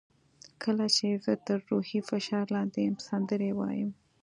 کله چې زه تر روحي فشار لاندې یم سندرې وایم.